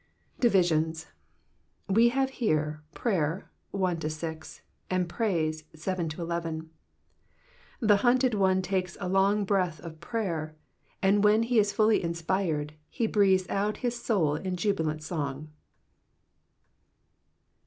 Divisions. — We have here prayer, 1 — 6, cmd praise, 7 — 11. T%e hunted one takes a long breath of prayer, and tohen he is fully inspired, he breathes out his soul in jubOant song.